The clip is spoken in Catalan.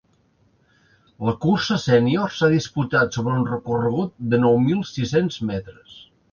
La cursa sènior s’ha disputat sobre un recorregut de nou mil sis-cents metres.